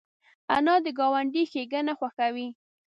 انا د ګاونډي ښېګڼه خوښوي